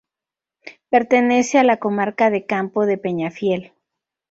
Pertenece a la comarca de Campo de Peñafiel.